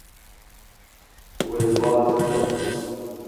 Wê ba neda.